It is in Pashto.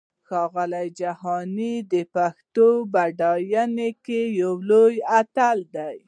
ښاغلی جهاني د پښتو په پډاینه کې یو لوی اتل دی!